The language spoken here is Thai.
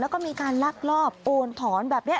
แล้วก็มีการลักลอบโอนถอนแบบนี้